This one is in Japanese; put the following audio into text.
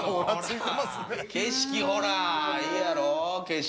景色ほらええやろ景色。